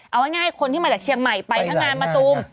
เอาง่ายคนที่มาจากเชียงใหม่ไปทั้งงานมะตูม